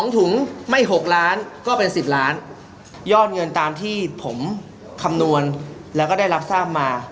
๒ถุงไม่๖ล้านก็เป็น๑๐ล้านยอดเงินตามที่ผมคำนวณแล้วก็ได้รับทราบมา